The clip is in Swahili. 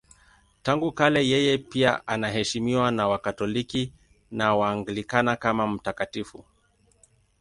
Tangu kale yeye pia anaheshimiwa na Wakatoliki na Waanglikana kama mtakatifu.